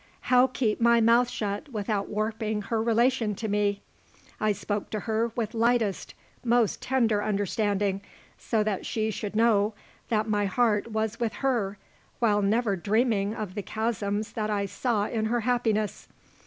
How keep my mouth shut without warping her relation to me? I spoke to her with lightest, most tender understanding, so that she should know that my heart was with her while never dreaming of the chasms that I saw in her happiness.